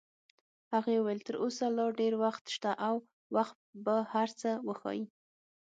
هغې وویل: تر اوسه لا ډېر وخت شته او وخت به هر څه وښایي.